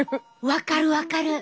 分かる分かる！